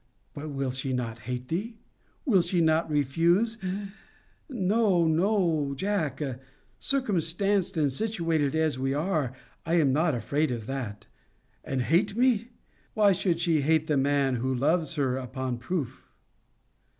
But will she not hate thee? will she not refuse No, no, Jack! Circumstanced and situated as we are, I am not afraid of that. And hate me! Why should she hate the man who loves her upon proof?